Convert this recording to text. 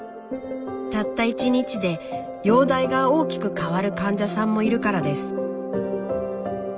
たった１日で容体が大きく変わる患者さんもいるからです。